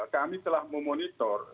kami telah memonitor